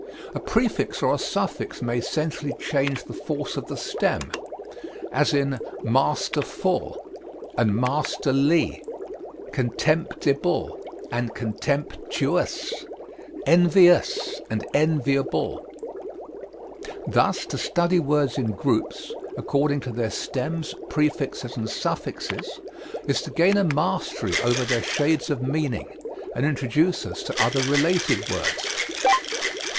A prefix or a suffix may essentially change the force of the stem, as in master ful and master ly, contempt ible and contempt uous, envi ous and envi able. Thus to study words in groups, according to their stems, prefixes, and suffixes is to gain a mastery over their shades of meaning, and introduce us to other related words.